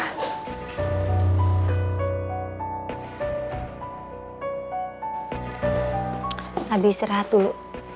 nabi istirahat dulu